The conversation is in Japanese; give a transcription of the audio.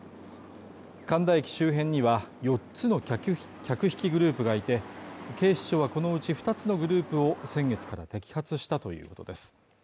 神田駅周辺には四つの客引き客引きグループがいて、警視庁はこのうち二つのグループを先月から摘発したということです。